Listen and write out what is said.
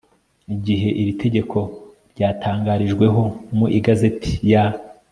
igihe iri tegeko ryatangarijweho mu igazeti ya